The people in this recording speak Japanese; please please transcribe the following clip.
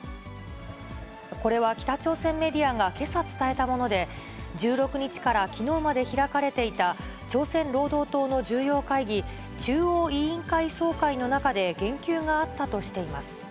これは北朝鮮メディアがけさ伝えたもので、１６日からきのうまで開かれていた、朝鮮労働党の重要会議、中央委員会総会の中で言及があったとしています。